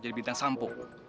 jadi bintang sampo